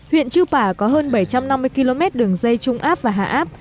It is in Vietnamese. huyện chư pả có hơn bảy trăm năm mươi km đường dây trung áp và hạ áp